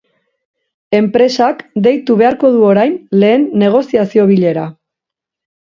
Enpresak deitu beharko du orain lehen negoziazio bilera.